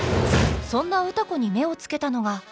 そんな歌子に目をつけたのが。